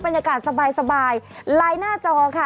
บรรยากาศสบายไลน์หน้าจอค่ะ